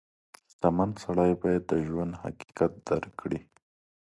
• شتمن سړی باید د ژوند حقیقت درک کړي.